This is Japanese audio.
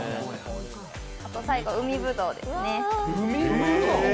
最後、海ぶどうですね。